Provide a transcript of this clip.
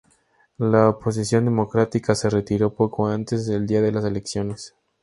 La oposición democrática se retiró poco antes del día de las elecciones.